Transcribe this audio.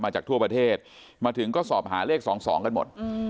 จากทั่วประเทศมาถึงก็สอบหาเลข๒๒กันหมด